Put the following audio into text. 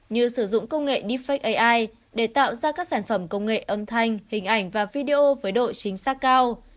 như sử dụng công nghệ defec ai để tạo ra các sản phẩm công nghệ âm thanh hình ảnh và video với độ chính xác cao